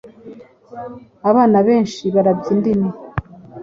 abana benshi barabya indimi